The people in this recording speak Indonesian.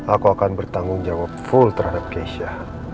aku akan bertanggung jawab full terhadap keisha